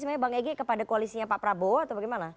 sebenarnya bang ege kepada koalisinya pak prabowo atau bagaimana